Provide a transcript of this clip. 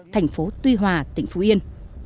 thành phố tuy hòa tỉnh phú yên